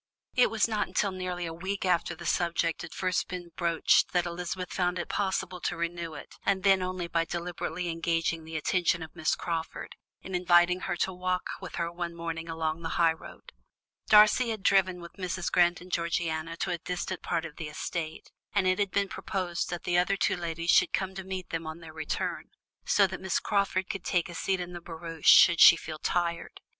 It was not until nearly a week after the subject had first been broached that Elizabeth found it possible to renew it, and then only by deliberately engaging the attention of Miss Crawford, in inviting her to walk with her one morning along the high road. Darcy had driven with Mrs. Grant and Georgiana to a distant part of the estate, and it had been proposed that the other two ladies should come to meet them on their return, so that Miss Crawford could take a seat in the barouche should she feel tired.